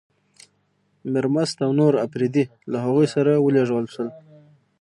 میرمست او نور اپرېدي له هغوی سره ولېږل شول.